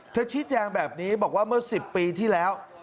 ชี้แจงแบบนี้บอกว่าเมื่อ๑๐ปีที่แล้ว